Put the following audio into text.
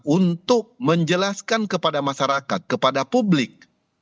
untuk menjelaskan kepada masyarakat kepada publik